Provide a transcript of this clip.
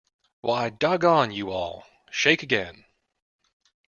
Why, doggone you all, shake again.